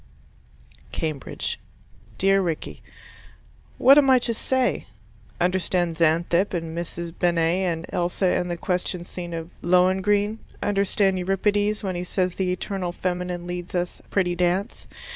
Cambridge Dear Rickie: What am I to say? "Understand Xanthippe, and Mrs. Bennet, and Elsa in the question scene of Lohengrin"? "Understand Euripides when he says the eternal feminine leads us a pretty dance"?